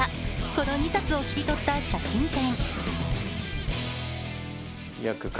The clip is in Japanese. この２冊を切り取った写真展。